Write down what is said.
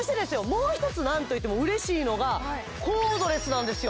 もう一つ何といっても嬉しいのがコードレスなんですよ